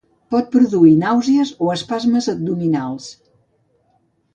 Pot produir nàusees o espasmes abdominals.